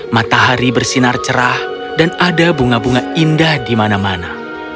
matahari bersinar cerah dan ada bunga bunga indah di mana mana